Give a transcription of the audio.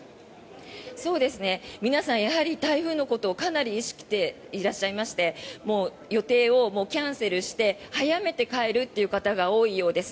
皆さんやはり台風のことをかなり意識していらしてもう予定をキャンセルして早めて帰るという方が多いようです。